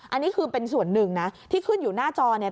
อันนี้คือเป็นส่วนหนึ่งนะที่ขึ้นอยู่หน้าจอเนี่ย